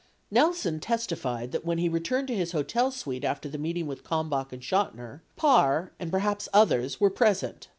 7 Nelson testified that when he returned to his hotel suite after the meeting with Kalmbach and Chotiner, Parr and perhaps others were present.